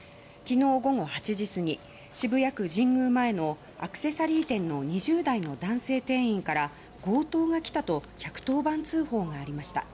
昨日午後８時過ぎ渋谷区神宮前のアクセサリー店の２０代の男性店員から強盗が来たと１１０番通報がありました。